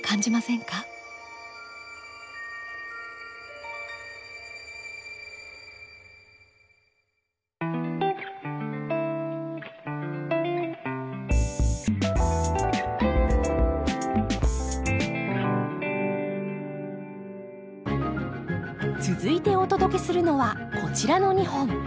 だから王子は続いてお届けするのはこちらの２本。